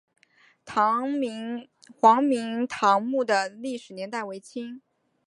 黄明堂墓的历史年代为清。